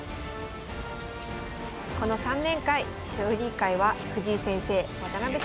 この３年間将棋界は藤井先生渡辺先生